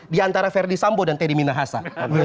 di antara ferdi sampo dan teddy minahasa